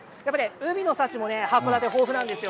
海の幸もね函館、豊富なんですよ。